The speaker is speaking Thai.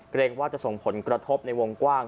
เกรงว่าจะส่งผลกระทบในวงกว้าง